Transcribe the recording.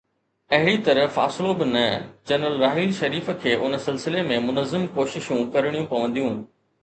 اهڙي طرح فاصلو به نه، جنرل راحيل شريف کي ان سلسلي ۾ منظم ڪوششون ڪرڻيون پونديون.